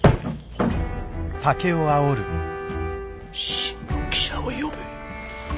新聞記者を呼べ。